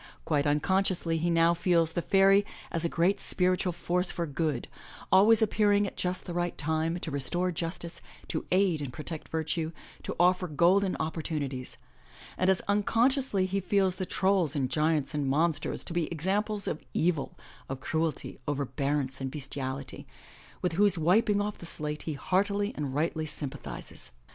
Quite unconsciously he now feels the fairy as a great spiritual force for good, always appearing at just the right time, to restore justice, to aid and protect virtue, to offer golden opportunities; and as unconsciously he feels the trolls and giants and monsters to be examples of evil, of cruelty, overbearance and bestiality, with whose wiping off the slate he heartily and rightly sympathizes.